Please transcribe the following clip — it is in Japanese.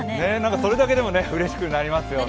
それだけでもうれしくなりますよね。